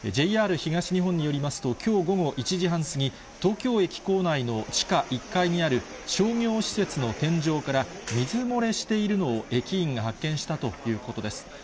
ＪＲ東日本によりますと、きょう午後１時半過ぎ、東京駅構内の地下１階にある商業施設の天井から、水漏れしているのを駅員が発見したということです。